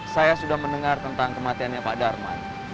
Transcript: saya sudah mendengar tentang kematiannya pak darman